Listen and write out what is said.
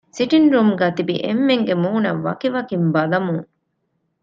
ސިޓިންގ ރޫމްގައި ތިބި އެންމެންގެ މޫނަށް ވަކިވަކިން ބަލަމުން